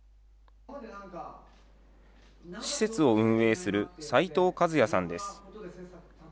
施設を運営する齋藤和也さんです。